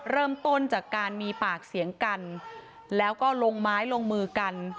เริ่มต้นจากการมีปากเสียงกันแล้วก็ลงไม้ลงมือกัน